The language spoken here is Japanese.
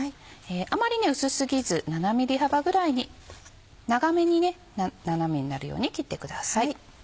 あまり薄過ぎず７ｍｍ幅ぐらいに長めに斜めになるように切ってください。